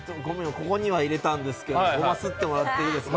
ここには入れたんですけどすってもらっていいですか？